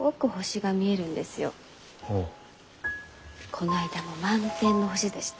こないだも満天の星でした。